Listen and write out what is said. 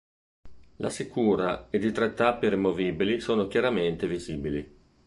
La sicura ed i tre tappi removibili sono chiaramente visibili.